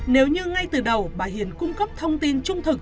nếu như ngay từ đầu bà hiền cung cấp thông tin trung thực